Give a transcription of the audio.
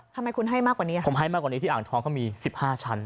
ทำไมคุณให้มากกว่านี้ผมให้มากกว่านี้ที่อ่างทองเขามีสิบห้าชั้น